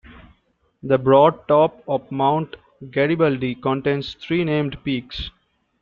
The broad top of Mount Garibaldi contains three named peaks.